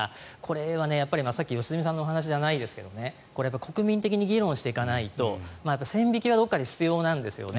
これは、さっきの良純さんの話じゃないですけどこれは国民的に議論していかないと線引きはどこかで必要なんですよね。